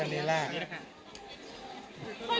คนนี้แหละ